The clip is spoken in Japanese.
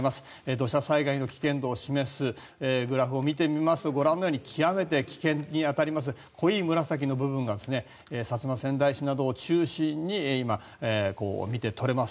土砂災害の危険度を示すグラフを見てみますとご覧のように極めて危険に当たります濃い紫の部分が薩摩川内市などを中心に今、見て取れます。